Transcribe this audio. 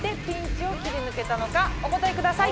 お答えください！